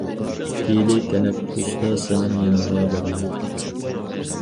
ھېلى تەنەپپۇستا سېنىڭ يېنىڭغا بارىمەن.